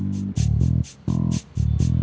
jadi lu kenal si builtah